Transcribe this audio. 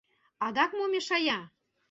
— Адак мо мешая?